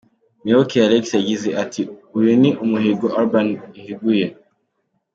Muyoboke Alex yagize ati: “Uyu ni umuhigo Urban Boyz ihiguye.